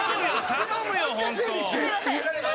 頼むよ